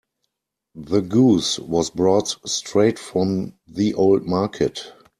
The goose was brought straight from the old market.